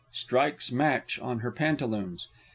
(_Strikes match on her pantaloons.